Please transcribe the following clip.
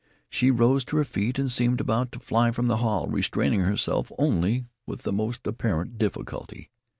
She rose to her feet and seemed about to fly from the hall, restraining herself only with the most apparent difficulty.